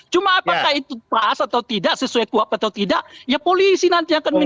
cuma apakah itu pas atau tidak sesuai kuap atau tidak ya polisi nanti akan menjelaskan